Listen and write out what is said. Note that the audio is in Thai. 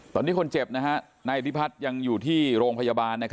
ตอนนี้คนเจ็บนายอิทธิพัฒน์ยังอยู่ที่โรงพยาบาล